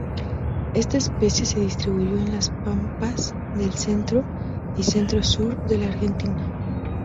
Esta especie se distribuyó en las pampas del centro y centro-sur de la Argentina.